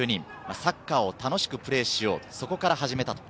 サッカーを楽しくプレーしよう、そこからはじめたと。